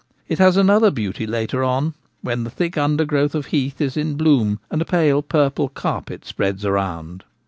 It has another beauty later on when the thick undergrowth of heath is in bloom, and a pale purple carpet spreads around.